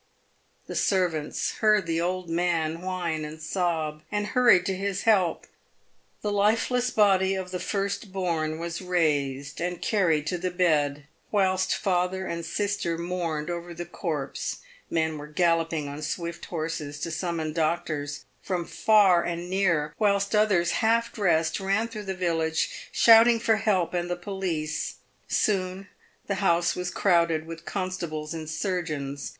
The servants heard the old man whine and sob, and hurried to his help. The lifeless body of the first born was raised and carried to the bed. "Whilst father and sister mourned over the corpse, men were gallop ing on swift horses to summon doctors from far and near, whilst others, half dressed, ran through the village, shouting for help and the police. Soon the house was crowded with constables and surgeons.